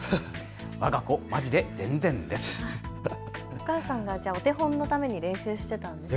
お母さんがお手本のために練習してたんですかね。